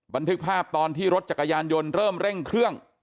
บันทึกภาพตอนที่รถจักรยานยนต์เริ่มเร่งเครื่อง